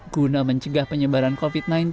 guna mencegah penyebaran covid sembilan belas